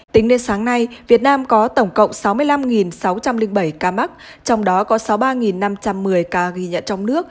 tính đến sáng nay việt nam có tổng cộng sáu mươi năm sáu trăm linh bảy ca mắc trong đó có sáu mươi ba năm trăm một mươi ca ghi nhận trong nước